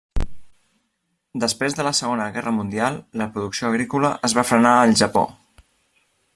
Després de la Segona guerra mundial, la producció agrícola es va frenar al Japó.